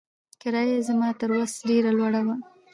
کرايه يې زما تر وس ډېره لوړه وه.